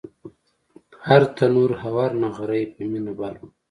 هر تنور او هر نغری په مینه بل و